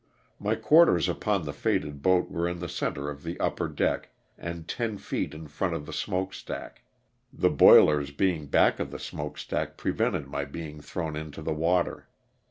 My quarters upon the fated boat were in the center of the upper deck and ten feet in front of the smoke stack, the boilers being back of the smoke stack prevented my being thrown into the water.